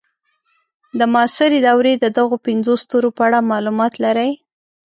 د معاصرې دورې د دغو پنځو ستورو په اړه معلومات لرئ.